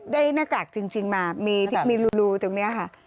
ได้หน้ากากจริงจริงมามีมีลูลูตรงเนี้ยค่ะอืม